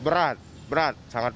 berat sangat berat untuk sekarang ini